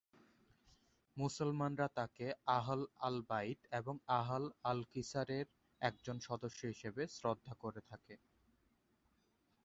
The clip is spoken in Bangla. মুসলমানরা তাঁকে আহল আল-বাইত এবং আহল আল-কিসার একজন সদস্য হিসাবে শ্রদ্ধা করে থাকে।